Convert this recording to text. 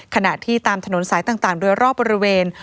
ขณะที่ตามถนนสายต่างโดยรอบบริเวณ